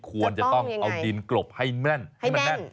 ควรจะต้องเอาดินกลบให้แม่นให้มันแน่น